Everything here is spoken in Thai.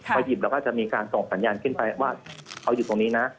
พอหยิบแล้วก็จะมีการส่งสัญญาณขึ้นไปว่าเขาอยู่ตรงนี้นะ